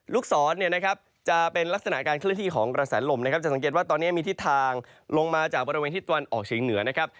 ลูกศรเนี่ยนะครับจะเป็นลักษณะการเคลื่อนที่ของกระแสลมนะครับจะสังเกตว่าตอนนี้มีทิศทางลงมาจากบริเวณทิศตะวันออกเฉียงเหนือนะครับ